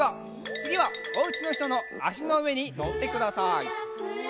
つぎはおうちのひとのあしのうえにのってください。